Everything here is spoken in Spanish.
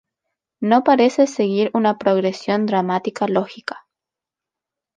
No parece seguir una progresión dramática lógica.